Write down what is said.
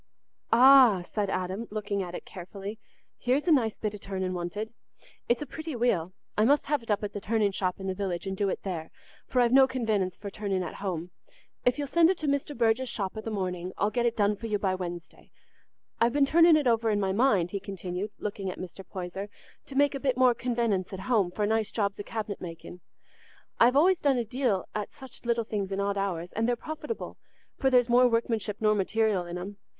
"Ah," said Adam, looking at it carefully, "here's a nice bit o' turning wanted. It's a pretty wheel. I must have it up at the turning shop in the village and do it there, for I've no convenence for turning at home. If you'll send it to Mr. Burge's shop i' the morning, I'll get it done for you by Wednesday. I've been turning it over in my mind," he continued, looking at Mr. Poyser, "to make a bit more convenence at home for nice jobs o' cabinet making. I've always done a deal at such little things in odd hours, and they're profitable, for there's more workmanship nor material in 'em.